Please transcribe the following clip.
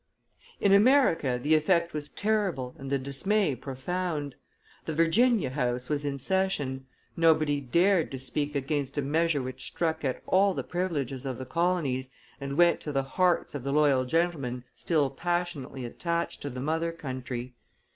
In America the effect was terrible and the dismay profound. The Virginia House was in session; nobody dared to speak against a measure which struck at all the privileges of the colonies and went to the hearts of the loyal gentlemen still passionately attached to the mother country.